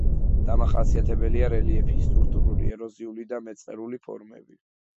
დამახასიათებელია რელიეფის სტრუქტურული ეროზიული და მეწყრული ფორმები.